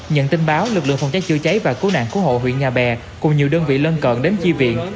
nhận tin báo lực lượng phòng cháy chữa cháy và cứu nạn cứu hộ huyện nhà bè cùng nhiều đơn vị lân cận đến chi viện